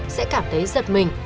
sẽ cảm thấy giật mình